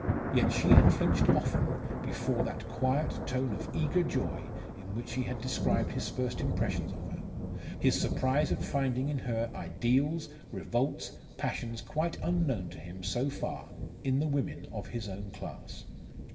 Yet she had flinched often before that quiet tone of eager joy in which he had described his first impressions of her, his surprise at finding in her ideals, revolts, passions, quite unknown to him, so far, in the women of his own class.